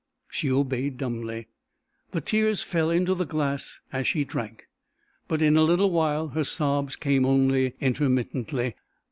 She obeyed dumbly. The tears fell into the glass as she drank. But in a little while her sobs came only intermittently.